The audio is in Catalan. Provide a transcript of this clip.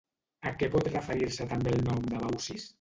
A què pot referir-se també el nom de Baucis?